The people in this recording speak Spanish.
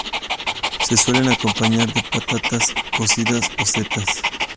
Se suelen acompañar de patatas cocidas o setas.